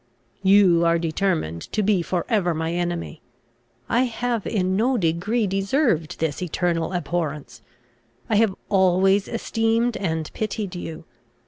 "You are determined to be for ever my enemy. I have in no degree deserved this eternal abhorrence. I have always esteemed and pitied you.